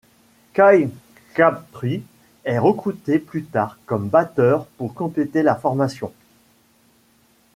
Kyle Crabtree est recruté plus tard comme batteur pour compléter la formation.